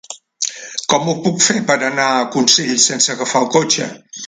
Com ho puc fer per anar a Consell sense agafar el cotxe?